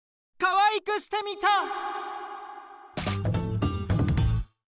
かわいくしてみた！